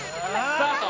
スタート！